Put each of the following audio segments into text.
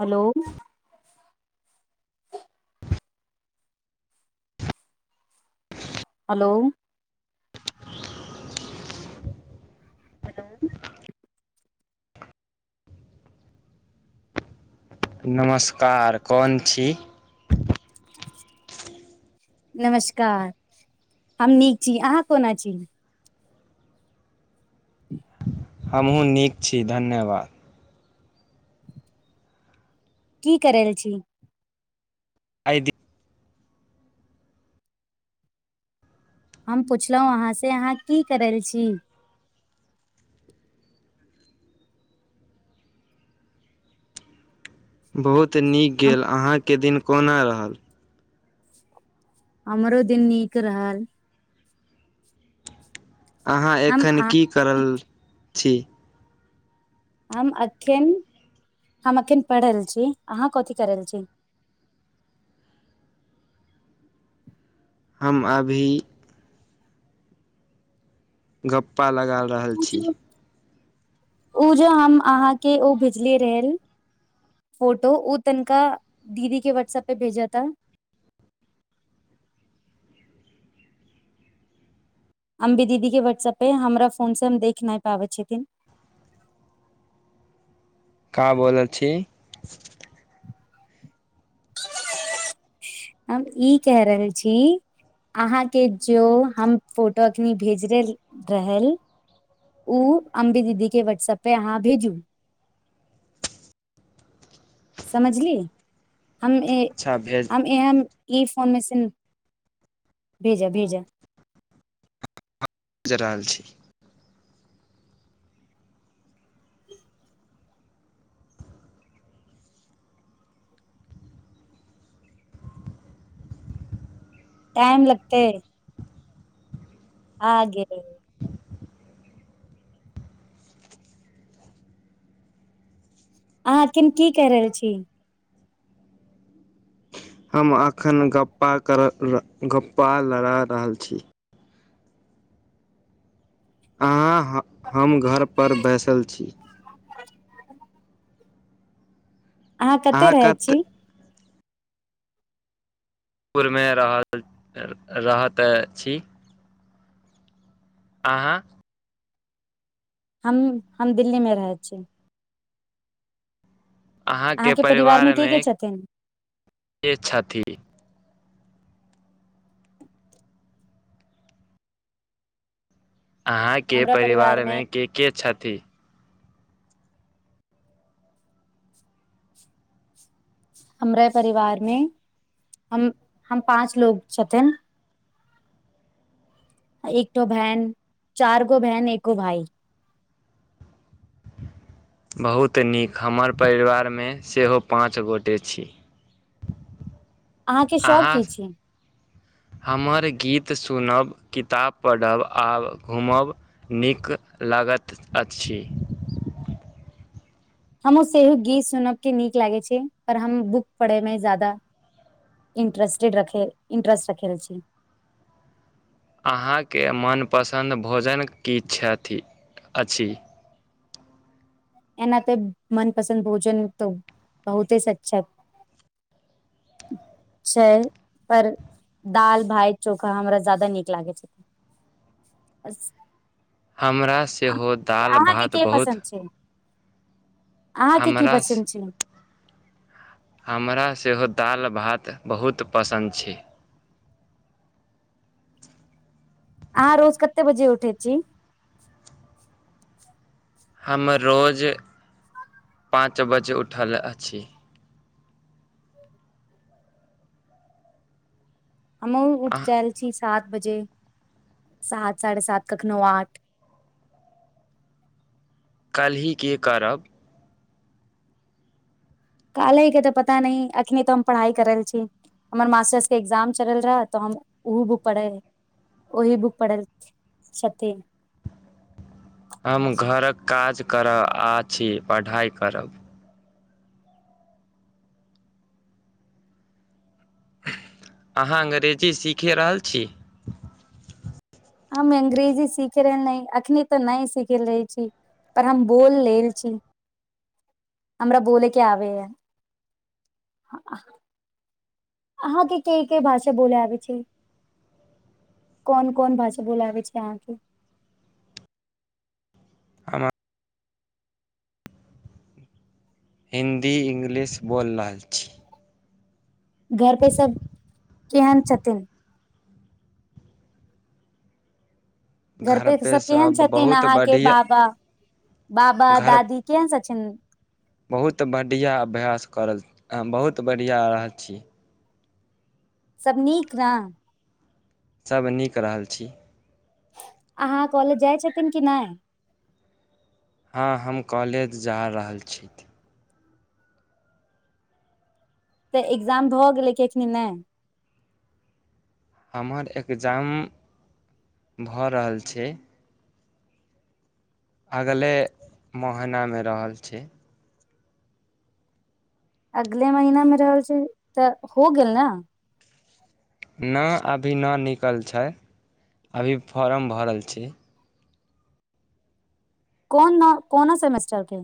Hello hello hello [inaudible] नमस्कार कोन छी नमस्कार हम नीक छी अहाँ कोना छी हमहूँ नीक छी धन्यवाद की करैल छी आय दी [unintelligible] हम पुछलौं अहाँसँ अहाँ की करल छी बहुत नीक हम गेल अहाँके दिन कोना रहल हमरो दिन नीक रहल अहाँ हम एखन आ की करल छी हम अखेन हम अखेन पढ़ रहल छी अहाँ कथी कर रहल छी हम अभी गप्पा लगा रहल ओ छी जो उ जे हम अहाँके उ भेजलीयै रहल फोटो उ तनिका दीदी के व्हटसऐप पे भेजब त हम भी दीदी के व्हाट्सऐपे हमरा फोन से हम देख नय पाबै छथिन का बोलल छी [inaudible] हम ई कह रहल छी अहाँके जो हम फोटो अखनी भेजले रहल उ अम्बे दीदीके व्हाट्सअपे अहाँ भेजू समझली हम ऐं अच्छा भेज हम एहन ई फोन मे से न भेजा भेजा ज रहल छी टाइम लगतेै आ गेलै अहाँ एखिन की कय रहल छी हम एखन गप्पा कर गप्पा लड़ा रहल छी अहाँ हम घरपर बैसल छी अहाँ कते रहैत छी पुरमे रहल रहैत छी अहाँ हम हम दिल्ली मे रहैत छी। अहाँके परिवार मे के के छथिन ए छथी अहाँके हमरा परिवार मे परिवारमे के के छथि हमरा परिवार मे हम हम पाँच लोग छथिन एकठो बहन चार गो बहन एको भाइ बहुत नीक हमर परिवारमे सेहो पाँच गोटे छी अहाँके शौक अहाँ की छी हमर गीत सुनब किताब पढ़ब आ घूमब नीक लागत अछि हमहुँ सेहो गीत सुनब के नीक लागे छै पर हम बुक पढ़ेमे जादा इंटरेस्टेड रखे इंटरेस्ट रखै र छी अहाँके मनपसन्द भोजन की छथि अछि एना तऽ मनपसन्द भोजन तऽ बहुते सचछक सलि पर दाल भाय चोखा हमरा जादा नीक लागै छथि अस हमरा सेहो दाल भात बहुत पसन्द छै अहाँके की हमरा पसन्द छै हमरा सेहो दाल भात बहुत पसन्द छै अहाँ रोज कते बजे उठै छी हम रोज पाँच बजे उठल अछि हमहु उठ आ जाल छी सात बजे सात साढ़े सात कखनो आठ कल्हि के करब काल्हि के तऽ पता नहि अखिने त हम पढ़ाइ करल छी हमर मास्टर्स के एग्जाम चलल रहे तऽ हम ओहो बुक पढ़े ओही बुक पढ़ल छथि हम घरक काज करय आछि पढ़ाइ करब अहाँ अंग्रेजी सीखे रहल छी हम अंग्रेजी सिख रहल नय अखनी तऽ नय सिखेल रहे छी पर हम बोल लेल छी हमरा बोलैके आबेया ह अहाँ के कय कय भाषा बोलय आबै छै कोन कोन भाषा बोलऽ आबै छै अहाँके हमार हिन्दी इंग्लिश बोलि रहल छी घर पे सब केहन छथिन घर पे सब केहन छथिन अहाके बाबा बाबा घर दादी केहन सछिन बहुत बढ़िआँ अभ्यास करल बहुत बढ़िआँ रहल छी सब नीक न सब नीक रहल छी अहाँ कॉलेज जाइ छथिन कि नय हँ हम कॉलेज जा रहल छी तऽ एग्जाम भऽ गेलै कि एखनी नय हमर एग्जाम भऽ रहल छै अगले मह नामे रहल छी अगले महिना मे रहल छै तऽ हो गेल ने नऽ अभी नऽ निकल छै अभी फॉर्म भरल छै कोन न कोनो सेमेस्टर के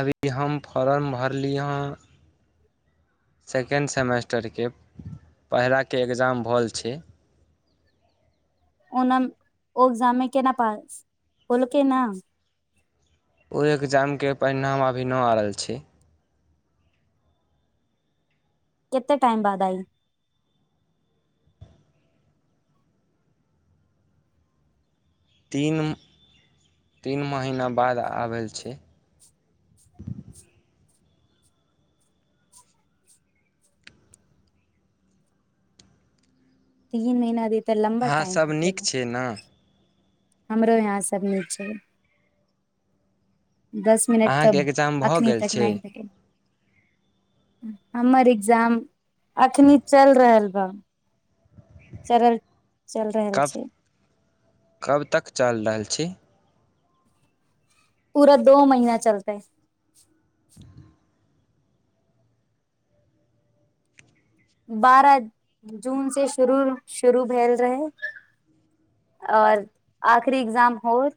अभी हम फोर्म भरली हँ सेकेण्ड सेमेस्टर के पहिला के एग्जाम भल छै ओनम ओ एग्जाम मे केना पास केलकै न ओ एग्जाम के परिणाम अभी न आ रहल छै केते टाइम बाद आइ तीन तीन महिना बाद आबलि छै तीन महिना अभी तऽ लम्बा टाइम अहाँसभ होत नीक छियै ने हमरो यहाँ सब निक छै मिनट अहाँके तब एग्जाम भऽ अखनी गेल तक छै नय भेटै हमर इग्जाम अखनी चलि रहल [inaudible] चरल चलि रहल कब छै कब तक चलि रहल छी पूरा दो महीना चलतै बारह जून से शुरू शुरू भेल रहै आओर आखरी एग्जाम होत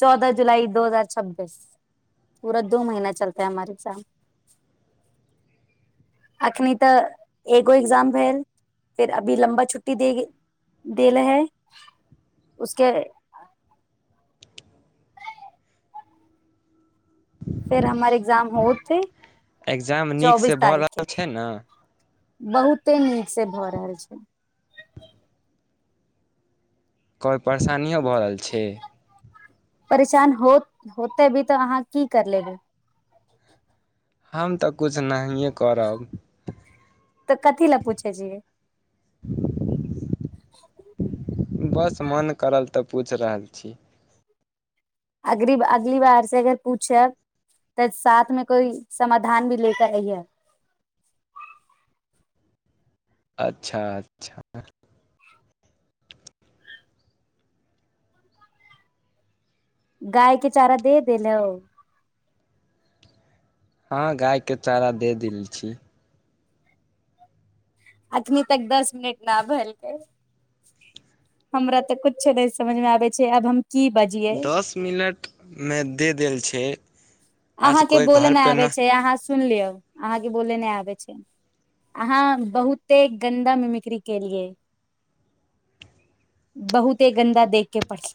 चौदह जुलाई दू हजार छब्बीस पूरा दू महीना चलतै हमारे एगजाम अखनी तऽ एगो एग्जाम भेल फेर अभी लम्बा छुट्टी दे देले हय [unintelligible] फेर हमर एग्जाम होते एकग्जाम नीकसँ भऽ रहल छै ने बहुते नीक से भऽ रहल छै कोइ परेशानियो भऽ रहल छै परेशान होत होते भी तऽ अहाँ की कर लेबै हम तऽ कुछ नाहिए करब तऽ कथी लए पूछे छियै [inaudible] बस मन करल तऽ पूछ रहल छी अगरीब अगली बार से अगर पूछब तऽ साथ मे कोई समाधान भी लेके आइयै अच्छा अच्छा गायके चारा दे देल हो हँ गाय के चारा दे देल छी अखनी तक दस मिनट ना भैलकै हमरा तऽ कुछो नय समझ मे आबे छै आब हम की बजी दस मिनटमे दे देल छै आज अहाँके कोइ बोले नय घरपे आबे न छै अहाँ सुन लियौ अहाँके बोले नय आबै छै अहाँ बहुते गन्दा मिमिक्री केलियै बहुते गन्दा देखके पढ़ै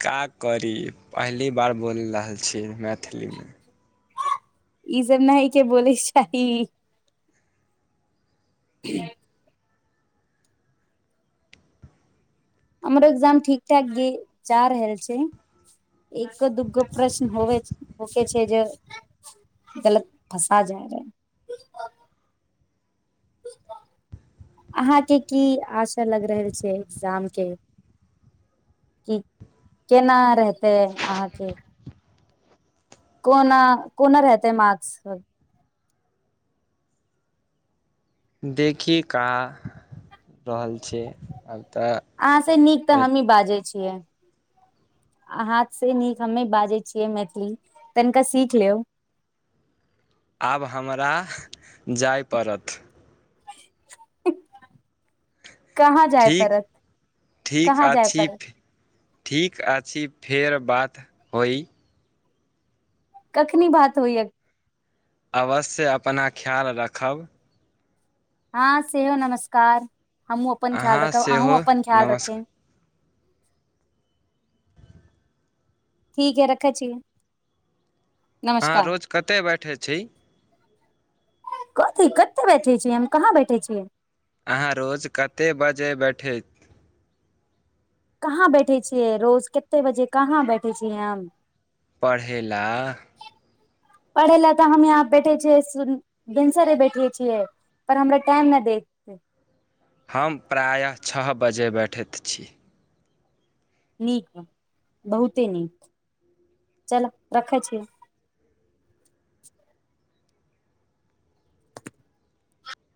का करी पहली बार बोलि रहल छी मैथिलीमे ई सब न हय के बोलैके चाही [inaudible] हमर इग्जाम ठीक ठाक गीचा रहल छै एक दू्गो प्रश्न होवे होके छै जे गलत फँसा जा रहै अहाँके की आशा लग रहल छै इग्जाम के की केना रहतै अहाँके कोना कोना रहतै मार्क्स सब देखि का रहल छै आब तऽ अहाँ से नीक तऽ हमहीं बाजै छियै हाथ से नीक हम्मे बाजै छियै मैथिली तनिका सीख लेव आब हमरा जाय पड़त कहाँ जाय ठीक पड़त ठीक कहाँ जाय अछि पड़त ठीक अछि फेर बात होइ कखनी बात होइ अब अवश्य अपना ख्याल राखब हँ सेहो नमस्कार हमहुँ अपन ख्याल अहाँ रखब अहूँं सेहो अपन ख्याल नमस्कार रखें ठीक अई रखै छी अहाँ रोज कते बैठे छी कथी कते बैठे छी हम कहाँ बैठे छी अहाँ रोज कते बजे बैठति कहाँ बैठे छियै रोज कते बजे कहाँ बैठे छियै हम पढ़ै ला पढ़े ला तऽ हम यहां बैठे छियै भिनसरे बैठै छियै पर हमरा टाइम न देत हम प्रायः छह बजे बठित छी नीक बहुते नीक चलऽ रखै छी